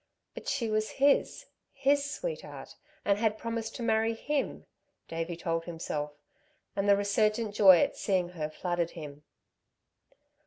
But she was his, his sweetheart, and had promised to marry him, Davey told himself, and the resurgent joy at seeing her flooded him.